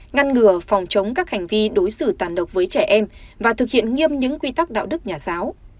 ngăn ngừa phòng chống các hành vi đối xử tàn độc với trẻ em và thực hiện nghiêm những quy tắc đạo đức nhà giáo